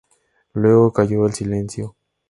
Luego cayó el silencio.